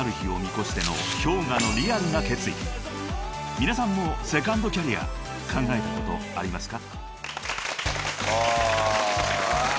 ［皆さんもセカンドキャリア考えたことありますか？］